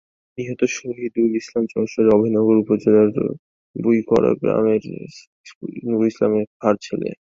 নিহত শহিদুল ইসলাম যশোরের অভয়নগর উপজেলার বুইকরা গ্রামের নূর ইসলাম খাঁর ছেলে।